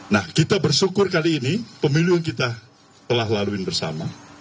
nah kita bersyukur kali ini pemilu yang kita telah laluin bersama